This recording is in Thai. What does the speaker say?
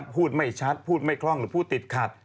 พูดไม่ชัดพูดไม่คล่องหรือพูดติดขัด